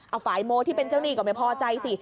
เอาฝ่ายโมที่เป็นเจ้าหนี้ก็ไม่พอใจสิ